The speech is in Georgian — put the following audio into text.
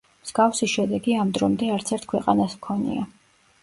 მსგავსი შედეგი ამ დრომდე არცერთ ქვეყანას ჰქონია.